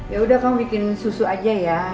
yaudah kamu bikin susu aja ya